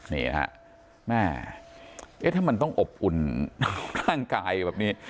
นี่ฮะแม่เอ๊ะถ้ามันต้องอบอุ่นร่างกายแบบนี้